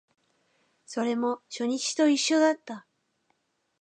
それも初日と一緒だった